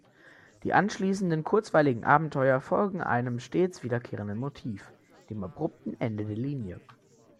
Die anschließenden kurzweiligen Abenteuer folgen einem stets wiederkehrenden Motiv: dem abrupten Ende der Linie.